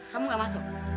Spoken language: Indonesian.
kamu gak masuk